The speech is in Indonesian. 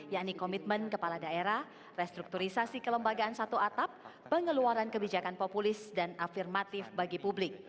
yakni komitmen kepala daerah restrukturisasi kelembagaan satu atap pengeluaran kebijakan populis dan afirmatif bagi publik